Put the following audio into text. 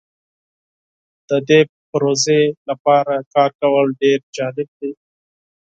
د دې پروژې لپاره کار کول ډیر جالب دی.